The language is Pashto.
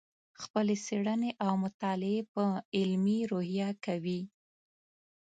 خپلې څېړنې او مطالعې په علمي روحیه کوې.